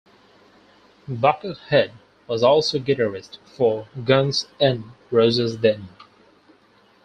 Buckethead was also guitarist for Guns N' Roses then.